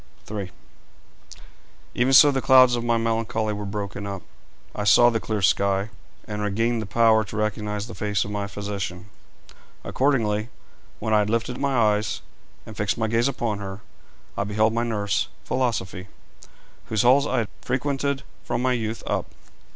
III. Even so the clouds of my melancholy were broken up. I saw the clear sky, and regained the power to recognise the face of my physician. Accordingly, when I had lifted my eyes and fixed my gaze upon her, I beheld my nurse, Philosophy, whose halls I had frequented from my youth up.